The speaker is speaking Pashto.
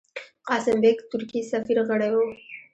قاسم بېګ، ترکی سفیر، غړی وو.